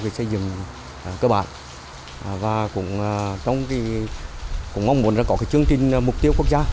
phòng giáo dục đào tàu đã đưa vào xây dựng cơ bản và cũng mong muốn có chương trình mục tiêu quốc gia